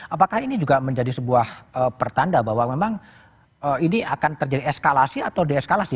apakah ini juga menjadi sebuah pertanda bahwa memang ini akan terjadi eskalasi atau deeskalasi